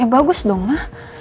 ya bagus dong ma